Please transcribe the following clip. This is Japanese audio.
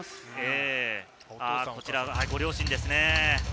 こちらが、ご両親ですね。